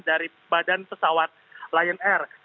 dari badan pesawat lion air